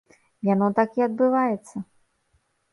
Яно так і адбываецца.